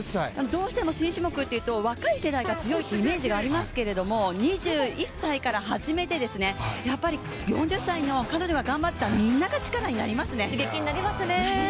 どうしても新種目というと若い選手が強いイメージがありますけど２１歳から始めて、４０歳の彼女が頑張った、みんなが力になりますね。